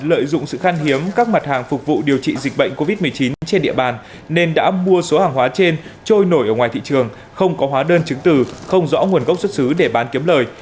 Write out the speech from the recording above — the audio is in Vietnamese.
lợi dụng sự khăn hiếm các mặt hàng phục vụ điều trị dịch bệnh covid một mươi chín trên địa bàn nên đã mua số hàng hóa trên trôi nổi ở ngoài thị trường không có hóa đơn chứng từ không rõ nguồn gốc xuất xứ để bán kiếm lời